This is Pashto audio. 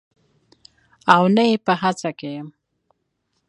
او نه یې په هڅه کې یم